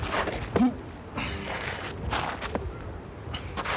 うん。